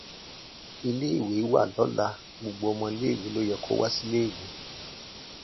He also has a daughter, Anne-Catherine, by his marriage to Argerich.